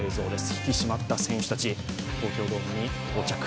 引き締まった選手たち、東京ドームに到着。